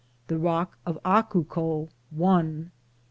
The rock of Acuco, one.